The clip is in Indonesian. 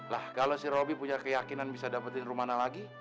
lah kalo si robi punya keyakinan bisa dapetin romana lagi